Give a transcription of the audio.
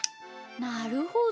なるほど。